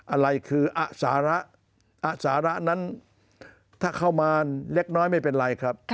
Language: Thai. อะไรคืออสาระอสาระนั้นถ้าเข้ามาเล็กน้อยไม่เป็นไรครับ